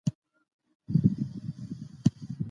د کلتور د تحول څرنګوالی د ټولني پر ژوند اثر لري.